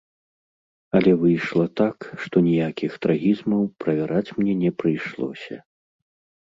Але выйшла так, што ніякіх трагізмаў правяраць мне не прыйшлося.